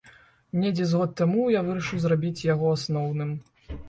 Недзе з год таму я вырашыў зрабіць яго асноўным.